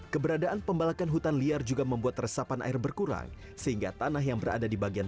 keberadaan pembalakan hutan liar juga membuat resapan air berkurang sehingga tanah yang berada di bagian